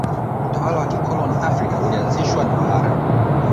utawala wa kikoloni afrika ulianzishwa na waarabu